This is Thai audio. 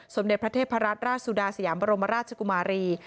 สมเด็จพระเทพรัตนราชสุดาสยามบรมราชกุมารี